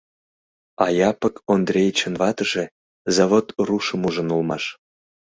А Япык Ондрейычын ватыже Завод рушым ужын улмаш.